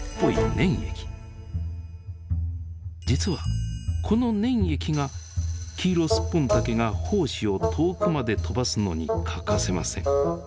実はこの粘液がキイロスッポンタケが胞子を遠くまで飛ばすのに欠かせません。